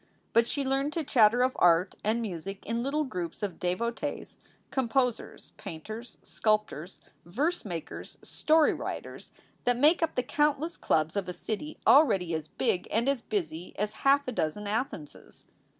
But she learned to chatter of art and music in little groups of devotees, composers, painters, sculptors, verse makers, 358 SOULS FOR SALE story writers that make up the countless clubs of a city already as big and as busy as half a dozen Athenses.